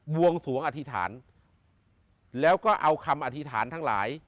วงสวงอธิษฐานแล้วก็เอาคำอธิษฐานทั้งหลาย